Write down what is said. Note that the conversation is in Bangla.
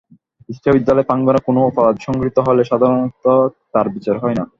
বিশ্ববিদ্যালয় প্রাঙ্গণে কোনো অপরাধ সংঘটিত হলে সাধারণত তার বিচার হয় না।